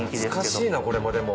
懐かしいなこれもでも。